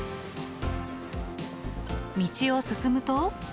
道を進むと。